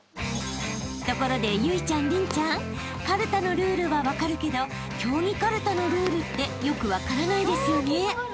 ［ところで有以ちゃん麟ちゃんかるたのルールは分かるけど競技かるたのルールってよく分からないですよね？］